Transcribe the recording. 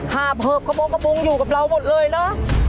หาเผิบกระโปรงกระปุงอยู่กับเราหมดเลยนะ